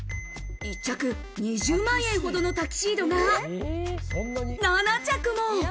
１着２０万円ほどのタキシードが７着も！